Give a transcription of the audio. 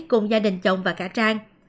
cùng gia đình chồng và cả trang